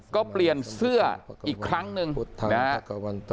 ก็เปลี่ยนเสื้ออีกครั้งหนึ่งนะฮะ